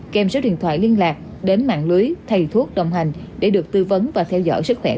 kèm số điện thoại liên lạc đến mạng lưới thầy thuốc đồng hành để được tư vấn và theo dõi sức khỏe